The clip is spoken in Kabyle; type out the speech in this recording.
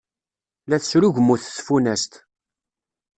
La tesrugmut tfunast.